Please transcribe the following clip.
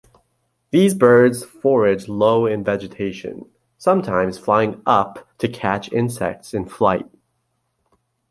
These birds forage low in vegetation, sometimes flying up to catch insects in flight.